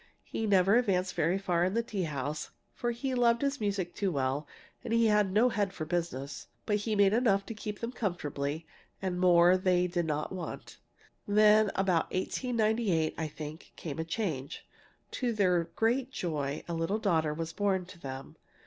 He never advanced very far in the tea house, for he loved his music too well and he had no head for business. But he made enough to keep them comfortably, and more they did not want. "Then about 1898, I think, came a change. To their great joy a little daughter was born to them.